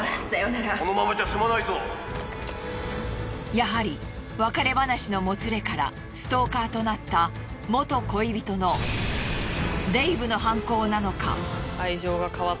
やはり別れ話のもつれからストーカーとなった元恋人のデイブの犯行なのか。